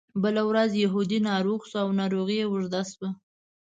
بله ورځ یهودي ناروغ شو او ناروغي یې اوږده شوه.